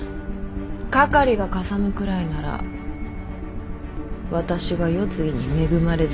かかりがかさむくらいなら私が世継ぎに恵まれずともよいと。